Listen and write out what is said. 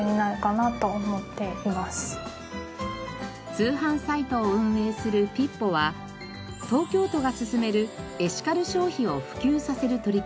通販サイトを運営するＰＩＰＰＯは東京都が進めるエシカル消費を普及させる取り組み